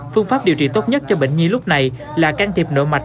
phương pháp điều trị tốt nhất cho bệnh nhi lúc này là can thiệp nội mạch